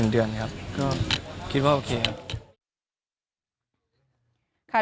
เดือนครับก็คิดว่าโอเคครับ